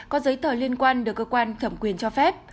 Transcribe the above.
có giấy tờ liên quan được cơ quan thẩm quyền cho phép